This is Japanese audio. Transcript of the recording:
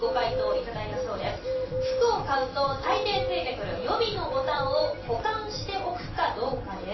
服を買うと大抵付いてくる予備のボタンを保管しておくかどうかです。